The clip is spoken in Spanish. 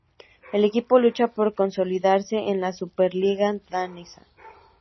El equipo lucha por consolidarse en la Superliga danesa.